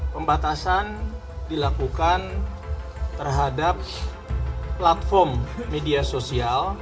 pembatasan dilakukan terhadap platform media sosial